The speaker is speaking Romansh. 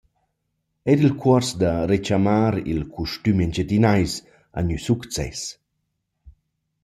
Eir il cuors da rechamar il costüm engiadinais ha gnü success.